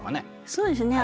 そうですね。